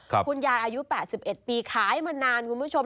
คุณยายอายุ๘๑ปีขายมานานคุณผู้ชม